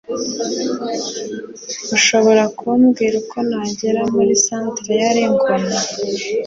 Urashobora kumbwira uko nagera muri Centre ya Lincoln?